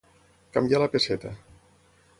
Canviar la pesseta.